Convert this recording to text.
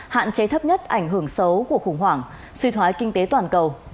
hạn chế thấp nhất ảnh hưởng xấu của khủng hoảng suy thoái kinh tế toàn cầu